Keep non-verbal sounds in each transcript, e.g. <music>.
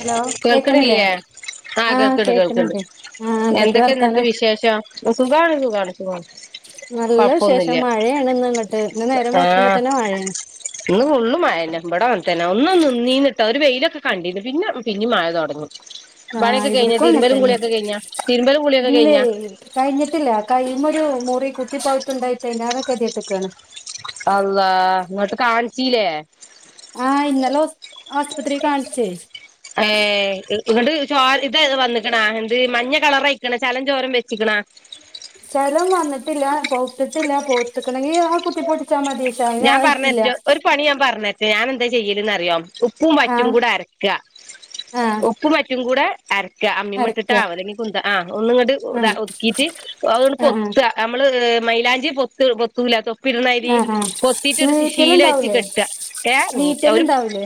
Hello കേക്കണില്ലേ കേൾക്കണില്ല്യേ? ആഹ് കേൾക്ക്ണ്ട് കേൾക്ക്ണ്ട് കേക്കണണ്ട് ആഹ് എന്തൊക്കെയാ എന്തൊക്കെ എന്നിട്ട് വർത്താനം വിശേഷം? സുഖാണ് സുഖാണ് സുഖാണ് നല്ല വിശേഷം കൊഴപ്പൊന്നുമില്ല മഴയാണിന്നിങ്ങട്ട് ഇന്ന് നേരം വെളുക്കുമ്പോ ആഹ് തന്നെ മഴയാണ് ഇന്ന് ഫുള്ളു മഴെന്നെ ഇവിടെ അങ്ങനെത്തന്നെ ഒന്നും നിന്നീനുട്ടോ ഒരു വെയിലൊക്കെ കണ്ടീനു പിന്നെ പിന്നീം മഴ തൊടങ്ങും ആഹ് പണ്യൊക്കെ കഴിഞ്ഞാ ഇവിടക്കും അങ്ങനെ തിരുമ്പലും തന്നെ കുളിയൊക്കെ കഴിഞ്ഞാ? തിരുമ്പലും കുളിയൊക്കെ ഇല്ലേ കഴിഞ്ഞാ? കഴിഞ്ഞിട്ടില്ല കൈയ്യുമ്മേ ഒരു മുറി കുത്തിപ്പഴുത്തുണ്ടായിട്ട് കഴിഞ്ഞ കെതിട്ട്ക്കാ <unintelligible> ണ് അള്ളാ എന്നിട്ട് കാണിച്ചീലേ? ആഹ ഇന്നലെ ഹോസ് ആസ്പത്രീല് കാണിച്ചേ ഏ ഇന്ന്ട്ട് ഇത് വന്ന്ക്കണാ എന്ത് മഞ്ഞ കളറായ് ചലോം ചോരേം വെച്ചിക്കണാ? ചലം വന്നിട്ടില്ല പോത്തിട്ടില്ല പോത്തക്കണെങ്കിൽ ആ കുത്തി പൊട്ടി ച്ചമതി പശ്ശേ ഞാൻ അയിനായിട്ടില്ല പറഞ്ഞറ്റോ ഒരു പണി ഞാന് പറഞ്ഞേരട്ടേ ഞാന് എന്താ ചെയ്യല് ന്നറിയോ? ഉപ്പും പറ്റും ആഹ് കൂടെ അരക്കാ ആഹ് ഉപ്പും പറ്റും കൂടെ അരക്ക അമ്മീമേ അരക്ക ഇട്ടിട്ടാ അല്ലെങ്കി കുന്ത ആ ഒന്നിങ്ങട് ആഹ് ഒതുക്കിയിട്ട് അതിങ്ങട് ആഹ് ആഹ് പൊത്താ നമ്മള് മൈയിലാഞ്ചി പൊത്ത് പൊത്തൂലേ തൊപ്പിടണമാതിരി ആഹ് ആഹ് പൊത്തീട്ട് ഒരു ശീല വെച്ച് നീറ്റലുണ്ടാവൂലേ കെട്ടാ ഏ നീറ്റ ഒരു നീറ്റലുണ്ടാവൂലേ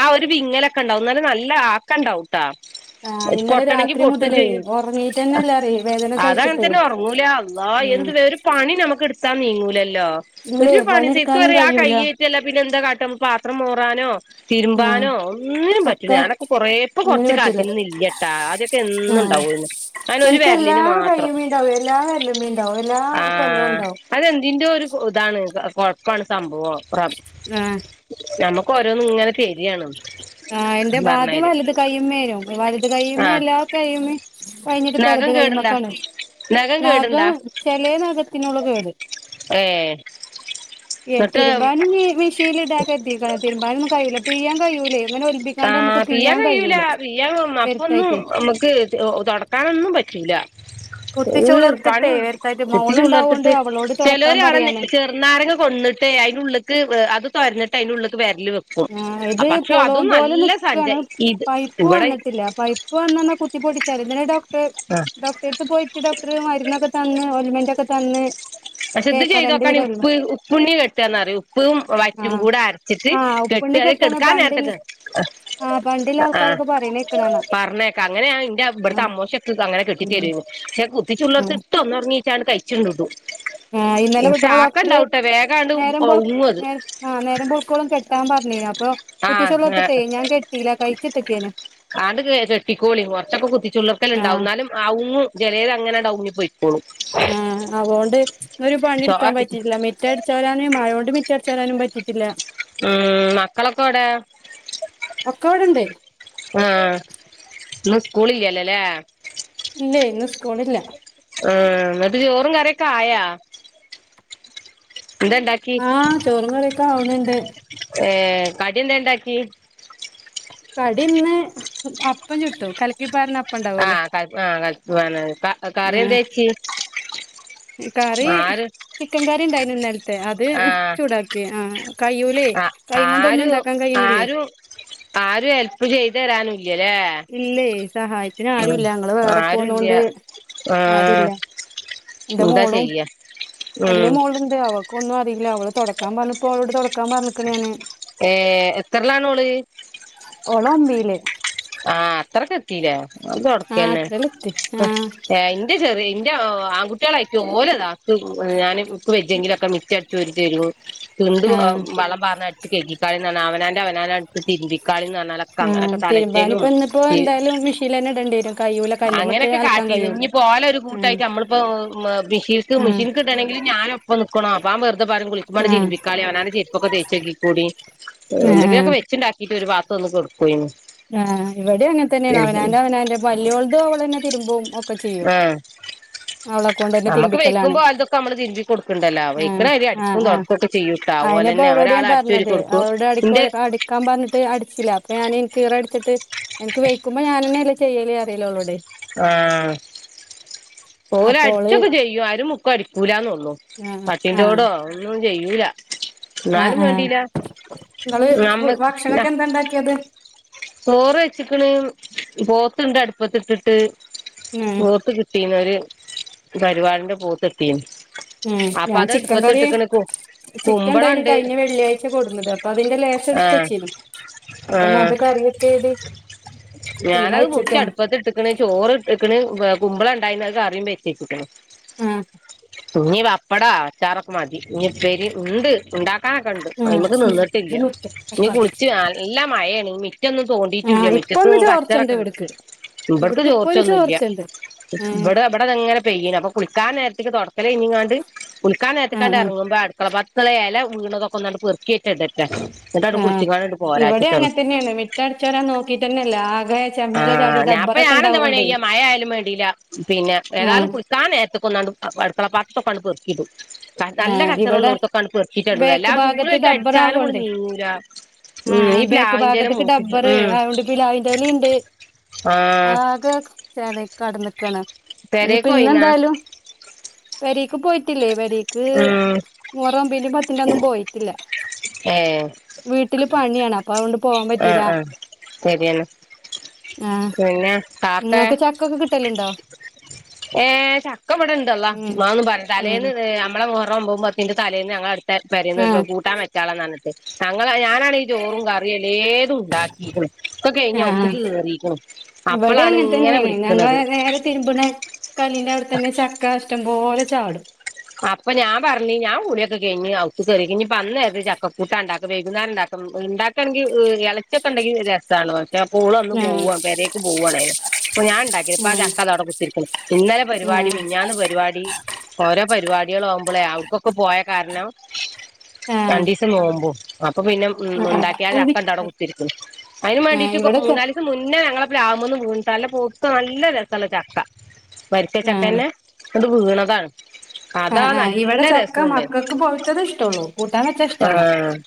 ആഹ് ഒരു വിങ്ങലൊക്കെണ്ടാവും ന്നാലും നല്ല ആക്ക ഇണ്ടാവുംട്ടാ ആഹ് ഇന്നലെ പൊട്ടണെങ്കി രാത്രി പൊട്ടും മുതലേ ചെയ്യും ആഹ് ഉറങ്ങീട്ടന്നെല്ലാറി വേദന സഹിച്ചിട്ടേ അതങ്ങനത്തന്നാ ഒറങ്ങൂല ആ ഉം എന്തു <unintelligible> വേ ഒരു പണി നമ്മക്ക് എടുത്താ നീങ്ങൂലല്ലോ ഇല്ലേ ഒരു പണി സേത്ത <unintelligible> പണിയെടുക്കാനും പറ ആ കഴിയൂല കൈയ്യ് ചിലപ്പ <unintelligible> ന്നെ എന്താ കാട്ടാ പാത്രം മോറാനോ ആഹ് തിരുമ്പാനോ ഒന്നിനും പറ്റുല ഒക്കെ ഞാനൊക്കെ കൊറേ ഒന്നിനും കൊറച്ച് പറ്റൂല കാലത്തിനില്ലാട്ടാ ആദ്യ എന്നും ആഹ് ഉണ്ടാവൂന്ന് അയ്ന്നെ ഒരു എനിക്ക് എല്ലാ വെരലിന് മാത്രം കയ്യുമ്മേണ്ടാവും എല്ലാ വെരലുമ്മേണ്ടാവും എല്ലാ കൊല്ലവും ആഹ് ഉണ്ടാവും അതെന്തിന്റെ ഒരു ഇതാണ് കൊഴപ്പാണ് സംഭവം ആഹ് ഞമ്മക്ക് ഓരോന്നിങ്ങനെ തര്യാണ് ആഹ് എന്റെ ആദ്യം വലത് കയ്യുമ്മേന്നു വലുത് ആ കൈയ്യുമ്മേ എല്ലാ കൈയ്യുമ്മേം കഴിഞ്ഞിട്ട് ഇപ്പെടുത് കൈയ്യുമ്മക്കാണ് നെഖം കേടിണ്ടാ ചെല നെഖത്തിനുള്ളു കേട് ഏ എന്നിട്ട് തിരുമ്പാനിനി മിഷ് <unintelligible> ഇടാ കരിതീക്കണ് തിരുമ്പാനൊന്നും കയ്യൂല പിഴ്യാൻ കയ്യൂലേ ആഹ് പിയ്യാൻ കയ്യൂല പിയ്യാ അപ്പൊന്നും വരുത്തായിട്ടേ ഇമ്മക്കേ തൊടക്കാനൊന്നും പറ്റൂല കുത്തിച്ചു ഈഹ് വളർത്തിട്ടേ പണി വരുത്തായിട്ട് മോളുണ്ടാവോണ്ട് <unintelligible> അവളോട് തൊടക്കാൻ ചെലോര് അട പറയാണ് ചെർന്നാരങ്ങ കൊട്ന്നിട്ടേ അയ്ൻ്റെ ഉള്ളക്ക് അത് തൊരന്നിട്ട് അയ്ൻ്റെ ഉള്ള്ക്ക് വെരല് വെക്കും ഉം ഇത് പക്ഷെ അതും പൊളം പോലെ നല്ല സഞ്ച നിക്കാണ് ഇത് പയ്യ്പ്പ് ഇവിടെ വന്നിട്ടില്ല പയ്യ്പ്പ് വന്നാന്ന കുത്തി പൊട്ടിച്ചാ മതി ഇന്നലെ ഡോക്ടറ് ആഹ് ഡോക്ടറെ എടുത്ത് പോയിട്ട് ഡോക്ടറ് മരുന്നൊക്കെ തന്ന് ഓയിൽമെന്റൊക്കെ തന്ന് പക്ഷെ ഇത് തേക്കാൻ രണ്ട് ചെയ്തോക്കാനീ വിധം ഉള്ളു ഉപ്പ് ഉപ്പുണ്ണി കെട്ടാന്ന് പറയും ഉപ്പും ആ വറ്റും കൂടെ അരച്ചിട്ട് ആ കെട്ട ഉപ്പുണ്ണി അതെ കെട്ടാന്ന് കെടുക്കാൻ പണ്ടിൽ നേരത്ത്ട്ടാ ആഹ് ആ പണ്ടില്ല അഹ് ആഹ് ആൾക്കാരൊക്കെ പറയണേക്കണ കാണാം പറഞ്ഞേ അങ്ങനെയാ ഇൻന്റെ ആ ഇവിടുത്തെ അമോശൊക്ക അങ്ങനെ കെട്ടി ഉം തരാരുന്നു പക്ഷെ ആ കുത്തിച്ചുളുർത്തിട്ട് ഒന്ന് ഒറങ്ങീട്ട് അങ്ങട് കയിച്ചങ്ങടും ആഹ് ഇന്നലെ <unintelligible> ഡോക്ടറ് വേഗാണ്ട് നേരമ്പോ ഒങ്ങും അത് നേര ആഹ് നേരം ബെൾക്കോളും കെട്ടാൻ പറഞ്ഞീനു അപ്പൊ ആഹ് കുത്തിച്ചുളോർത്തിട്ടെ ഞാൻ കെട്ടീല്ല കഴിച്ചിട്ടക്കേനു ആണ്ട് കെട്ടിക്കോളി കോറച്ചക്ക ആ കുത്തിച്ചുള്ളർക്കല്ണ്ടാവും എന്നാലും ഔങ്ങും ജലേത് അങ്ങനെണ്ട് ഊങ്ങി പോയി ആഹ് അവോണ്ട് ഇന്ന് ഒരു ചോ പണിയെടുക്കാൻ പറ്റിട്ടില്ല മിറ്റ അച്ചേരാന് മഴോണ്ട് മിറ്റഅടിച്ചാരാനും പറ്റിട്ടില്ല ഉം മക്കളൊക്കെ ഓടെ ഒക്കെ ഇവിടെണ്ട് ആഹ് ഇന്ന് സ്കൂള് ഇല്ലല്ലോലെ ഇല്ലയി ഇന്ന് സ്കൂള്ല്ല ആഹ് എന്നിട്ട് ചോറും കറിയൊക്കെ ആയാ ന്തെണ്ടാക്കി ആഹ് ചോറും കറിയൊക്കെ ആവ്ണ്ണ്ട് ഏഹ് കടിന്തെണ്ടാക്കി കടി ഇന്ന് അപ്പം ചുട്ടു കലക്കിപ്പാരണ അപ്പ ഉണ്ടാവല്ലോ ആഹ് കലക്കി കറി എന്തെ വച്ചി കറി ചിക്കൻ കറിണ്ടായിന് ഇന്നലത്തെ അത് ആഹ് ചൂടാക്കി ആഹ് കയ്യൂലേ കൈ കൊണ്ട്ന്നും ആരും ഉണ്ടാക്കാൻ കഴിയിന്നില്ലേ ആരും ആരും ഹെൽപ് ചെയ്ത് തരാനുല്ലല്ലേ ഇല്ലയി സഹായത്തിന് ആരുല്ല ഞങ്ങള് വേറെ ആരുല്ല പോന്നൊണ്ട് ആരുല്ല ആഹ് എന്താ ചെയ്യാ വലിയ ഉം മോളുണ്ട് അവൾക് ഒന്നും അറിയില്ല അവള് തോടക്കാൻ പറഞ്ഞപ്പോ അവളോട് തുടക്കാൻ പറഞ്ക്കണ് ഞാന് ഏഹ് എത്രല്ലാണോള് ഒള് ഒമ്പയില് ആഹ് അത്രക്കത്തീലെ അത് ആഹ് തോടക്കന്നെ അത്രല്ലത്തി ആഹ് ന്റെ ചെറിയ എന്റെ ആൺകട്ടികളാരിക്കും ഓലെതാ ഞാന് ക്ക് വെജെങ്കിലൊക്കെ മിറ്റ ചോരിതരും തിണ്ട് വള്ളം പാറ്ന്ന് അടിച്ച് കേക്കിക്കാളിന്ന് പറഞ്ഞ അവനാന്റെ അവനാന അടുത്ത് തിരുബി ക്കാളിന്ന്റഞ്ഞക്ക അങ്ങനൊക്ക തല ഞാനിപ്പോ ഇന്ന് പ്പോ എന്താലും മിഷീൻ തന്നെ ഇടേണ്ടിരും കയ്യൂല കല്ലുമട്ട് അലക്കാൻ കയൂല പോലെ ഒരു കൂട്ടായിട്ട് നമ്മളിപ്പോം മിഷീക്ക് ഉം മിഷീൻക്ക് ഇടണങ്കിൽ ഞാനൊ അപ്പം ഞാൻ വെറുതപറയും കുളിക്കുമ്പേ ആഹ് തിരുമ്പിക്കാളി അവനാൻന്റെ ചെരുപ്പൊക്കെ തേച്ചഗ്ഗി കൂടി ആഹ് എന്തെങ്കിലൊക്കെ വെച്ചുണ്ടാക്കിട്ട് ഒരു പാത്ത് ഒന്ന് കൊടുക്കയിന് ആഹ് ഇവിടേം അങ്ങന തന്നെണ് അവനാന്റെ അവനാന്റെ പല്യോളത് ഓളന്നേതിരുമ്പും ആഹ് നമ്മക്ക് തിരുമ്പിക്കലാണ് വൈക്കുമ്പോ ഓലത് തൊക്കെ നമ്മള് തിരുമ്പി കൊടുക്കണ്ടല്ലോ ആഹ് വൈക്ക്ണരി ആഹ് അടിക്കും തോ ആഹ് ഒക്ക ചെയ്യൂട്ട അയിനിപ്പോ ഓലന്നെ അവളോട് ഒരാൾ അടിച്ചു വാരി തൊടക്കും എന്ത് ക്കാൻ പറഞ്ഞിട്ട് അടിച്ചില അപ്പൊ ഞാൻ ഇൻക്ക് ഈറ ടിച്ചിട്ട് എനക്ക് വൈക്കുമ്പോ ഞാനന്നല്ലേ ചെയ്യല് അറിയില ഓള്ളോടെ ആഹ് ഓല് അപ്പോള് അടിച്ചൊക്കെ ചെയ്യും ആരും മുക്കും അടിക്കൂലന്നൊള്ളു ആഹ് ആഹ് കട്ടിന്റെടോ ഒന്നും ചെയ്യൂല ആഹ് എന്നാലും ആഹ് വേണ്ടീല്ല നമ്മക്ക് ന്താ ണ്ടാക്കിയത് ചോറ് വെച്ച് ക്കണ് പോത്ത്ണ്ട് അടുപ്പത്തിട്ടിട്ട് ഉം പോത്ത് കിട്ടി കിട്ടീനു ന്നൊരു പരിപാടിന്റെ പോത്ത് കിട്ടീനു ഉം ഞാൻ ചിക്കൻ കറി ചിക്കൻ ണ്ടായിന് കുമ്പളണ്ട് കഴിഞ്ഞ വെള്ളിയാഴ്ച കൊടുന്നത് അപ്പൊ അതിന്റെ ലേശം ആഹ് എടുത്തചീനും അപ്പൊന്ന ആഹ് അത് കറിക്കെ ചെയ്ത് തീമേച്ചക്കാണ് <unintelligible> ഇട്ട്ക്ണ് ചോറ് ഇട്ട് ക്ണ് കുമ്പളം ഇണ്ടായിന്ന് അത് കറിയും വെച്ചേച്ച് ക്ക് ണ് ആഹ് ഇഞ്ഞി പപ്പടാ അച്ചാറൊക്കെ മതി ഇനി പ്പേരി ഉണ്ട് ഉണ്ടാ ആക്കെണ്ട് ആഹ് അയിമ്മക്ക് ഉം ഇത് നിന്ട്ടില്ല നിർത്ത് ഇനി കുളിച്ച് നല്ല മഴണ് മിറ്റൊന്നും ആഹ് തോണ്ടിയിട്ടുല്ല ഇപ്പൊ ഒന്ന് മിറ്റത്തും ചോർച്ചണ്ട് കച്ചറക്കണ്ട് ഇവിടക്ക് ഇബ്ട് ക്ക് ഇവിടക്ക് ഇപ്പൊ ഒരു ചോർച്ചൊന്നുല്ല ചോർച്ചണ്ട് ഉം ഇബിടെ അങ്ങന പെയ്യ അപ്പൊ കുളിക്കാ നേരത്തേക്ക് തുക്കൽ ഇഞ്ഞങ്ങണ്ട് കുളിക്കാ ആഹ് നേരത്തക്കണ്ട് ആഹ് ഇറങ്ങുമ്പോ കള പാത്തല വീണതൊക്കെ ഒന്നട്ട പർകിയിട്ട് ഇിട്ട് എന്നിട്ട അഹ് കുളിച്ചിക്ക കാണിട്ട പോരാച്ചിട്ടന്ന് <unintelligible> ഒറ്റടച്ച തരാൻ നോക്കിയിട്ട തന്നല്ല ആ കേ <unintelligible> ആഹ് അപ്പൊ ഞാന എന്താ വേണയ്യ മഴ ആയാലും വേണ്ടീല്ല പിന്നെ ആഹ് ഏതായാലും കു കാൻ നേരത്തെ കൊാണ്ട് അടുക്കള പാത്തൊക്ക കൊണ്ട് പൊറക്കിടും നല്ല ആഹ് കച്ചറം ഇവിടെ ഉള്ളോടത്തൊക്കൊണ് പെറിച്ചിട്ട ഉണ്ട ബേക്ക് എല്ലാ ഭാഗത്ത് ചൂലയിട്ട് ഡബ്ബർ അടിച്ചാലും കൂടി ആവോണ്ടേ നീരാ ഉം ഇപ്ലാവിൻ അകത്തൊ ഡബർ ആണ്ട് പി അറാലി ഉണ്ട് ആ ആകെ ച കടന്നക്കാണ് ഇനി പെരേക്ക് പോയിന്നാ പിന്നെന്തായാലും വരിക്ക് പോയിട്ടില്ലേ വരി ക്ക് ഉം റം പിന്ന പത്തിന്റെ ഒന്നും പോയിട്ടില്ല ഏ വീട്ടില് പണിയാണ് അപ്പൊ അതൊണ്ട് പോവാൻ ആ പറ്റില്ല ആ ശരിയെന്നാ ആഹ് പിന്നെ താത്തേ നിങ്ങക്ക് ചക്കൊക്കെ കിട്ടലുണ്ടോ ഏഹ് ചക്ക ഇട ഇണ്ടല്ലോ ഉം മന്നന്ന് പറ ഉം തലേന്ന് മ്മള മുറ പോകുമ്പോന്റെ തലേന്ന് ഞങ്ങളടു പേരെന് ആഹ് കൂട്ടാൻ വൊുള്ള ഞ ഞ ചോറും കറിയുംല്ലേതും ഉണ്ടാക്കിരിക്കണം ഒക്കെ കഴിഞ്ഞാ ആഹ് ഒത്തക്ക് കേറിരിക്കണം അപ്പോളാണ് ഇങ്ങനെ വിളിക്കുന്നത് വേറെ തരുമ്പുന കലിൻന്റെ അവിടു തന്നെ ചക്ക ഇഷ്ടം പോലെ ചാടും അപ്പൊ ഞാൻ പറഞ്ഞഞ് ഞാൻ കടടിക്കെ കഴിഞ് ക്ക് ക കേറിക്കിനി വന്നത് ചക്കൂട്ടണ്ടാക്കും വൈകുന്നേരംണ്ടാക്ക ഉണ്ട ണെങ്ക് ഇളച്ചൊക്കെ ഉണ്ടെങ്കിൽ രസമാണ് പ പോൾളന്നന്ന് ആഹ് പോകവാ അ പേക്ക് പോകുവാനായിരുന്നു അപ്പോ ഞാൻ ഉണ്ടാക്കിയ ഇപ്പപ്പോ ആഹ് ചക്ക അടെ കുത്തിരിക്കുന്നു ഇന്നലെ പരിപാടി മിഞ്ഞാന്ന് പരിപാടി ഓരോ പരിപാടികൾ ആവുമ്പോളേ അവക്കൊക്കെ പോയ കാരണം ആഹ് ആഹ് രണ്ട് ദിവസം നോവുമ്പോ അപ്പൊ പിന്നെ ഉം ഉണ്ടാക്കി അ ആഹ് അക്കണ്ടട കുത്തിരിക്കുന്നു അതിനന് ആഹ് വേണ്ടീട്ട് ഇവിടെ ച മൂന്നാ മുന്നേ ഞങ്ങളപ്പ ആുമന്ന് പൂിട്ടല്ല പോത്ത നല്ല രസമാണ്ള്ള ചക്ക വരിച്ചച്ചക്ക ആഹ് തന്നെ അത് വീണതാണ് അതാ ആഹ് ആഹ് ഇവിടെ നല്ല ചക്ക രസൂണ്ട് മക്കൾക്ക് പോയിത്തത് ഇഷ്ടള്ളൂ കൂട്ടാൻ വെച്ചാ ഇഷ്ടല്ല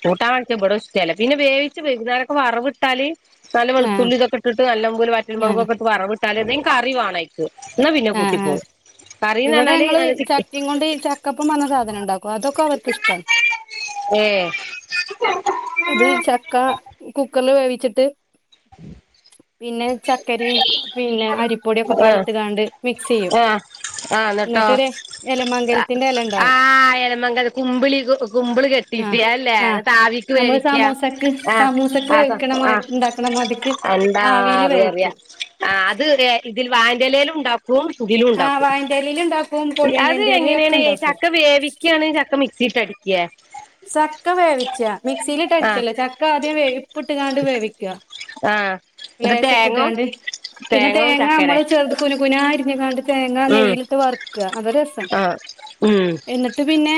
കൂട്ടാ വണിച്ച ഇവിടെ ചില പിന്നെ വേവിച്ച് വെകുന്നതാനൊക്കെ വറവ വിട്ടാല് നല്ല ആഹ് വെളത്തുള്ളിതൊക്കെ ഇട്ട് നല്ല പോല ആഹ് വറ്റൻമളക്ക്കെ് വറ വിട്ടാല എതെങ്കുംറിവാണ എന്നാ പിന്നെ ആഹ് കൂട്ടിപ്പോയി കറി പറന്നാല് അ ഇങ്ങ കൊൊണ്ട് ചക്കപ്പ മനണ സാധനം ഉണ്ടാക്കും അതൊക്കെ അവർക്ക് ഇഷ്ടം ഏഹ്ഹ് ഇത് ചക്ക കുക്കറില് വേവിച്ചിട്ട് ഉം പിന്നെ ചക്കരി പിന്നെ അരിപ്പ പൊടിയൊക്കെ ആഹ് പടത്ത്ണ്ട് മിക്സ് ചെയ്യും ആഹ് എന്നിട്ട് ഇലമങ്ക ആഹ എലമങ്ക കുമ്പിളി കുമ്പിള് ആഹ് കെട്ടിട്ട അല്ലേ ആഹ് താവി നമ്മള് ഇക്ക സമൂസക്ക് ആഹ സമൂസക്ക് വേവിക്കണ മാ ആ ആ ഉണ്ടാക്കണ മാതിക്ക് എന്താ ആവിയില് അറിയറിയാ വേവിക്കും ആ അത് ഇതിൽ വായറലലും ഉണ്ടാക്കും ഇ പുതിലും ആഹ് ഉണ്ടാക്കും വാഴന്റെലേല് ഉണ്ടാക്കും അത് പൊടിയണ്ണേന്റെലേല് ഒക്കെ എങ്ങനെയാണ് ഉണ്ടാക്കും ചക്ക വേവി ഒക്ക ചക്ക മക്സിറ്റ്ട എ ചക്ക വേവിച്ച മിക്സിയിലിട്ട ആ അടിച്ചല്ലോ ചക്ക ആദ്യം വേപ്പ് ഇട്ട്ണ്ട് വേവിക്കുക ആഹ ലേശംപ്പൊട്ട കാണ്ട് പിന്നെ തേങ്ങ ചക്കര നമ്മള് ചെറത് കുന കുന അരിഞ്ഞക്കാണ്ട് തേങ്ങാ ഉം നെയയിലിട്ട് വറക്കുക അതൊ രസം ആ ഉം എന്നിട്ട് പിന്നെ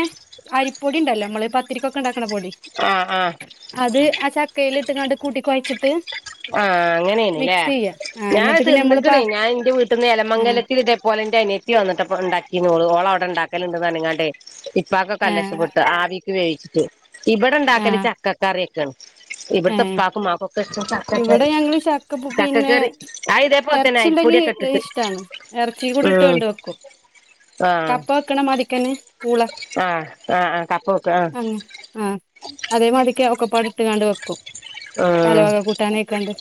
അരിപ്പൊടി ഉണ്ടല്ലോ നമ്മള് പത്തിരിക്കൊക്കെ ഉണ്ടാക്കണ പൊടി ആ ആ അത് ആ ചക്കയില ഇട്ട്ങ്ങാണ്ട് കൂട്ടി കുഴച്ചിട്ട് ആഹ അങ്ങനെയന്നല്ലേ മിക്സ് ചെയ്യ ആ ഞാൻ എന്നിട്ട് പിന്നെ നമ്മള് പ തിന്നിക്കണേ ഞാൻ എന്റെ വീട്ട നിന്ന് ആഹ് എലമംഗലത്തി ഇേ പോലെന്റെ അനിയ ഈ വന്നിട്ട്പ്പ ഉണ്ടാക്കി നോുഓള അവിടെ ഉണ്ടാക്കലുണ്ട്ന്ന്ണങ്ങാട്ടെ ഇപ്പാക്കക്കെല്ല ആഹ് ഇഷ്ടപ്പെട്ട് ആ വേവിച്ചിട്ട് ഇവിടെ ഉണ്ടാക്കല ആഹ് ചക്കക്കാരൊക്കെയാണ് ഇവിടത്തെ ആഹ് ഉപ്പാക്കുംമാക്കൊക്കെ ഇ ഇവിടെ തക്കക്കറി ഞങ്ങള് ചക്ക പിന്നെ തക്കക്കറി ആയിതേപ്പത്തനെ ഇറച്ചി ആയിത് ഉണ്ടെങ്കി പൊടിയ കട്ടട്ട ഇഷ്ടാണ് ഇറച്ചി കൂടി ഇട്ട് കൊണ്ട് വെക്കും ആഹ് കപ്പ വെക്കണ മതിക്കന്നെ പൂള ആഹ് ആഹ് ആഹ് കപ്പ വെക്കും ആഹ് ആ അതേമാതിക്ക് ഒക്കെപ്പാട് ഇട്ട്ുകാണ്ട് വെക്കും പല ആഹ് വക കൂട്ടാനെ ഇക്കണ്ട്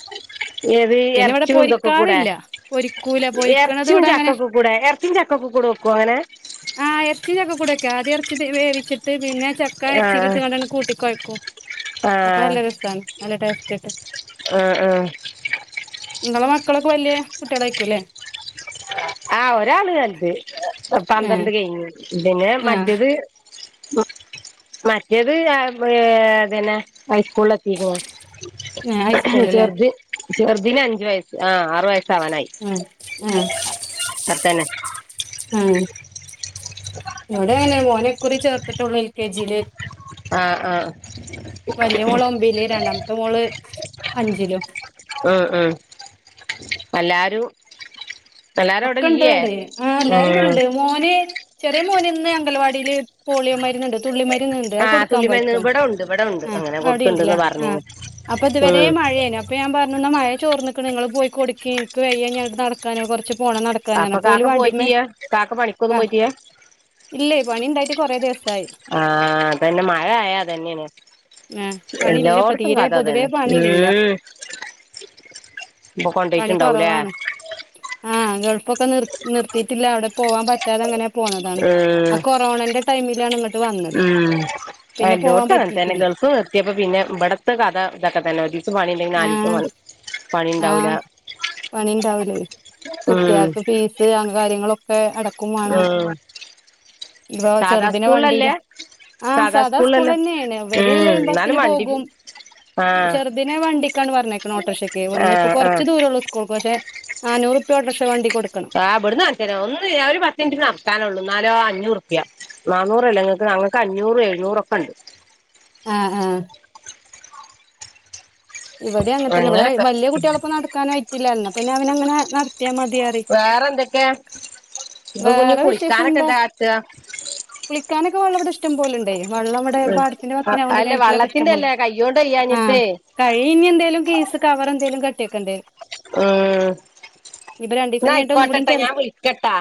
ഏത് ഇറച്ചിയുംതൊക്കെ കൂടെ പൊരിക്കൂല പൊരിക്കണത് ഇറച്ചിയും ഇവിടെ അങ്ങനെ ചാക്കൊക്കെ കൂടെ ചാക്കക്ക കുടക്കങ്ങനെ ആ് ഇച്ച ചക്ക കുടക്കാ അത് ഇറച്ചി വേവിച്ചിട്ട് പിന്നെ ച ക ആഹ് അരിച്ചിലിട്ടണ്ട കൂട്ടി കൊയ്ക്കും അപ്പൊ ആഹ് അല്ല നല്ല ടേസ്റ്റ്ട്ട് ആഹ് ആഹ് നിങ്ങളെ മക്കളൊക്കെ വലിയ കുട്ടികളട ആയിക്കും അല്ലേ ആ ഒരാള് കത് ഏ പന്ത്രണ്ട് കഴിഞ്ഞു പിന്നെ ആ മറ്റേത് മറ്റേത് ന്നെ ഹൈസ്കൂളൊ ആ ഹൈസ്കൂളില്ലേ ചെറുത് ചെറുതിന് അഞ്ച വയസ്സ് ആ ആറു വയസ്സ ആവാനായി ആഹ ഉം നടനെ മോനെക്കുറി ചേർത്തിട്ടുള്ളൂൽ കെ ജിയിലേ ആഹ ആ <inaudible> വലിയ മോള ഒമ്പില രണ്ടാമത്തെ മോള് അഞ്ചിലോ ഉ ഉ എല്ലാരും എല്ലാരും അവിടെ ഒക്കെ ഇണ്ട് ഇല്ലേ ഇവിടെ ആ എല്ലാരും ഉം ഇവിടെണ്ട് മോന് ചെറിയ മോന് ഇന്ന് അങ്കൽവാടിൽ പോളിയോ മരുന്നുണ്ട് തുള്ളി മരുരുന്നുണ്ട് ആ കൊടുക്കാൻ പോയി തുള്ളിമരുന്ന് ഇവിടെ ഉണ്ട് ഇവിടെ ഉണ്ട് അങ്ങനെ കൊടുക്കണ്ടന്ന് അവിടെണ്ടല്ലേ ആ പറഞ്ഞിന്ന് അപ്പൊ ഇതുവരെ ഉം മഴ അപ്പൊ ഞാൻ പറഞ്ഞ മഴ ചോർന്ന നിക്കക്ക് നിങ്ങള്ൾ പോയി കൊടുക്കി നിങ്ങക്ക് വയ്യാ ഞ നടാനോ കുറച്ച് പോണ നടക്ക അപ്പ കാക്ക പോയിറ്റ്യാ കാക്കക്ക് പണിക്കൊന്നു ആ പോയിറ്റ്യ ഇല്ലേ പണി ഉണ്ടായിട്ട് കുറെേ ദിവസായി ആഹ് തന്നെ മഴ ആയാ അതന്നെയാണ് ആഹ് പണില്ല ഇപ്പൊ എല്ലായിടത്തും തീരെ കാഥ അത്‌ പൊതുവേ തന്നെ പണിയില്ല ഉം ഇപ്പൊ പണി കൊണ്ടായിട്ടുണ്ടാവൂലേ കൊറവാണ് ആഹ് ഗൾഫൊക്കെ നി നിർത്തിയിട്ടില്ല അവിടെ പോവാാൻ പറ്റാതെ അങ്ങനെ പോന്നതാണ് ഉം ആഹ് കൊറോണന്റെ ടൈമിലാണ് ഇങ്ങോട്ട് വന്നത് പിന്നെ ആഹ് പോവാൻ ലോട്ട് തന്നെ പറ്റിയിട്ടില്ല ഗൾഫ് എത്തിയപ്പ പിന്നെ ഇവിടത്തെ കഥ ഇതൊക്കെ തന്നെ ഒരു ദിവസം പണില്ലെങ്കിൽ നാല് ദിവസം ആഹ് പണി പണി ഉണ്ടാവില്ല ആഹ് പണി ഉണ്ടാവൂല്ലേ കുട്ടികൾക്ക് ഫീസ് കാര്യങ്ങളൊക്കെ അട ആഹ് ഇപ്പ ചെറുദിനെ വണ്ടില്ല ആഹ് സാധാ സാദാ സ്കൂൾ സ്കൂളിലല്ലേ തന്നെയണ് ഇവര് ഉം ലൈൻ എന്നാലും ബസ്സിന് വണ്ടി പോകും ആഹ് ചെറുദിനെ വണ്ടിക്കാണ് പറഞ്ഞ് അയക്കിണെ ഓട്ടോറിക്ഷയ്ക്ക് ഇവിടന്ന് ഇപ്പൊ ആഹ് കുറച്ച് ആഹ് ദൂരേള്ളൂ സ്കൂൾക്ക് പക്ഷെ ആഹ് നാനുറുപ്പ്യോള്ളക്ഷ വണ്ടിടുക്കണം ആഹ് ഇവിടുന്ന ഒന്ന് ഞ ഒരു പത്ത് മിനിട്ട് നടത്താനേ ഉള്ളൂ എന്നലോ അഞ്ഞൂറ്റുപ്യ നാന്നൂറ അല്ലേ നിങ്ങൾക്ക് ഞങ്ങൾക്ക് അഞ്ഞൂറ് എഴുന്നൂറൊക്കെ ഉണ്ട് ആഹ് ആഹ് ഇവിടെ അങ്ങന തന്നെ ഇവിടെ അങ്ങനൊക്കെ വലിയ കുട്ടികളിപ്പ നടക്കാനായിയിട്ടില്ലായിരുന്ന അപ്പന്ന അവൻ അങ്ങനെ നടത്തിയാ മതിയ വേറെ എന്തൊക്കെ ഇപ്പൊ കുഞ്ഞു വേറെ വിശേഷം കുളിക്കാനൊക്കെ എന്താ ആക്കാ കുളിക്കാനൊക്കെ വെള്ളം ഇവി ഇഷ്ടം പോലണ്ട വെള്ളംമ്മടെ ഉം പാടത്തിന്റെ വക്കനായോണ്ട് അല്ല കിണറ്റിലോക്കെ ഇഷ്ടം വള്ളത്തിന്റെ പോലെ അല്ലേ കയ്യോണ്ട് ആഹ് അരിയാഞ്ഞിട്ടെ കഴി ഇഞ്ഞ എന്തേലും കേസ് കവർ എന്തേലും കട്ടിയൊക്കേണ്ട ഉം രണ്ടീസം എന്നാ കഴിഞ്ഞിട്ട് ഒന്നും കൂടി ആയിക്കോട്ടട്ടാ ചെല്ല ഞാൻ വിളിക്കട്ടാ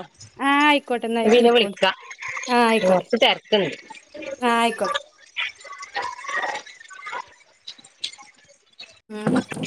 ആഹ് ആയിക്കോട്ടെ എന്നാ പിന്നെ വിളിക്കോണ്ട് വിളിക്ക ആഹ് ആയിക്കോട്ടെ കൊറച്ച് തിരക്കണ്ട് ആഹ് അയിക്കോട്ടെ ഉം